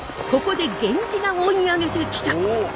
ここで源氏が追い上げてきた！